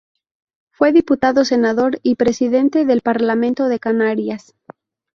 Fue diputado, senador y presidente del Parlamento de Canarias.